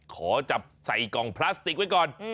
ขอจับใส่กล่องพลาสติกไว้ก่อน